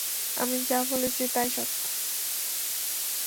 আমি যা বলেছি তাই সত্য।